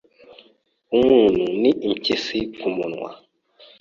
Umuntu ni impyisi kumunwa